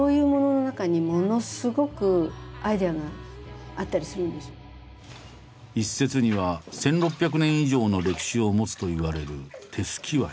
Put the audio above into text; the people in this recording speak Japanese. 私やっぱり一説には１，６００年以上の歴史を持つといわれる手すき和紙。